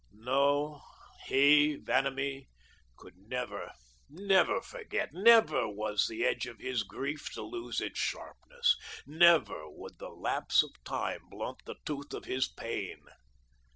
No, he, Vanamee, could never, never forget, never was the edge of his grief to lose its sharpness, never would the lapse of time blunt the tooth of his pain.